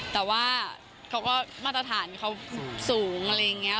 แต่ว่าเขาก็มาตรฐานเขาสูงอะไรอย่างนี้